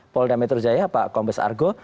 paul dametrujaya pak kombes argo